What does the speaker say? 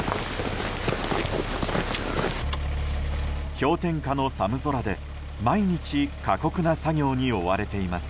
氷点下の寒空で毎日過酷な作業に追われています。